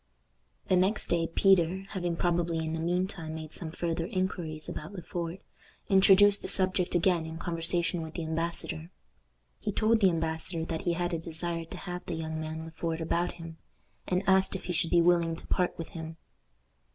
The next day Peter, having probably in the mean time made some farther inquiries about Le Fort, introduced the subject again in conversation with the embassador. He told the embassador that he had a desire to have the young man Le Fort about him, and asked if he should be willing to part with him.